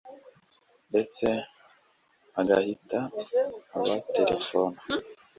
ndetse agahita abatelefona